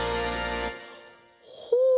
ほう！